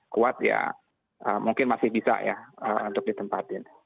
kuat ya mungkin masih bisa ya untuk ditempatin